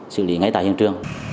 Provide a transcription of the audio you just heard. xử lý ngay tại hình trường